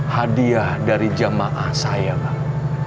hadiah dari jamaah saya pak